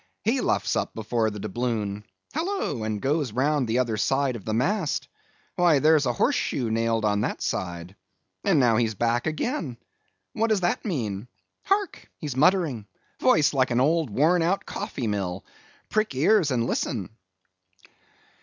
He luffs up before the doubloon; halloa, and goes round on the other side of the mast; why, there's a horse shoe nailed on that side; and now he's back again; what does that mean? Hark! he's muttering—voice like an old worn out coffee mill. Prick ears, and listen!"